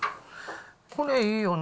これいいよね。